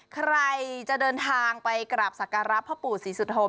ใครจะเดินทางไปกราบสักการะพ่อปู่ศรีสุธม